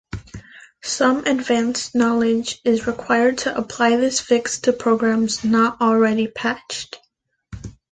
Some advanced knowledge is required to apply this fix to programs not already patched.